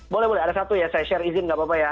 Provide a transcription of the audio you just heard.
boleh boleh ada satu ya saya share izin nggak apa apa ya